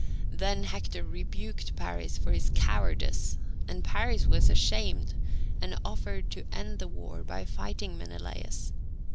Then Hector rebuked Paris for his cowardice, and Paris was ashamed and offered to end the war by fighting Menelaus.